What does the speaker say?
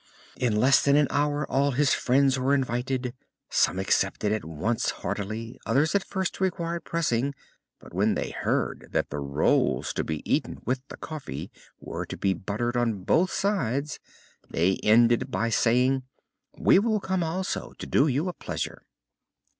In less than an hour all his friends were invited. Some accepted at once heartily; others at first required pressing; but when they heard that the rolls to be eaten with the coffee were to be buttered on both sides they ended by saying: "We will come also, to do you a pleasure."